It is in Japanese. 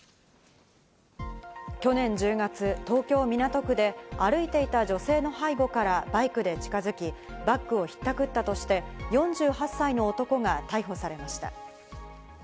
去年１０月、東京・港区で歩いていた女性の背後からバイクで近づき、バッグをひったくったとして、４８歳の男が逮捕されました。